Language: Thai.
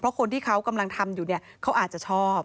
เพราะคนที่เขากำลังทำอยู่เนี่ยเขาอาจจะชอบ